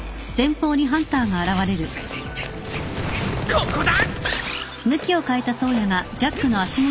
ここだ！